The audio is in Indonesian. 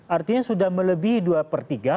artinya sudah melebihi dua per tiga